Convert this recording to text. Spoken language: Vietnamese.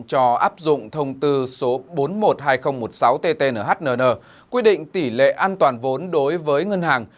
cho áp dụng thông tư số bốn mươi một hai nghìn một mươi sáu ttnhn quy định tỷ lệ an toàn vốn đối với ngân hàng